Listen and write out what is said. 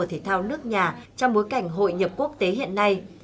tổng cục thể thao nước nhà trong bối cảnh hội nhập quốc tế hiện nay